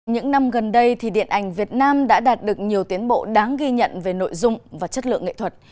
những năm gần đây thì điện ảnh việt nam đã đạt được nhiều tiến bộ đáng ghi nhận về nội dung và chất lượng nghệ thuật